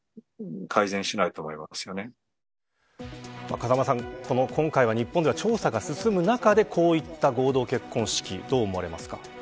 風間さん、今回は日本では調査が進む中でこういった合同結婚式どう思われますか。